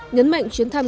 nhấn mạnh chuyến thăm